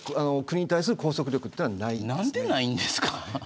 国に対する拘束力っていうのはないですね。